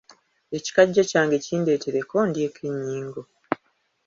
Ekikajjo kyange kindeetereko ndyeko ennyingo.